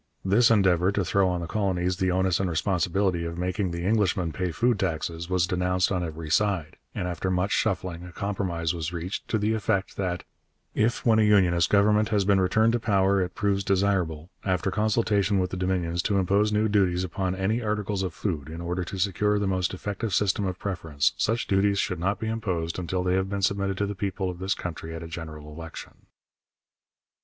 This endeavour to throw on the colonies the onus and responsibility of making the Englishman pay food taxes was denounced on every side, and after much shuffling a compromise was reached to the effect that 'if when a Unionist Government has been returned to power it proves desirable, after consultation with the Dominions, to impose new duties upon any articles of food, in order to secure the most effective system of preference, such duties should not be imposed until they have been submitted to the people of this country at a general election.'